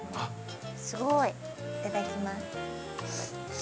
すごい！いただきます。